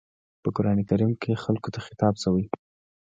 په قرآن کريم کې خلکو ته خطاب شوی.